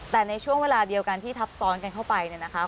แต่ในช่วงเวลาเดียวกันที่ทับซ้อนกันเข้าไปเนี่ยนะคะ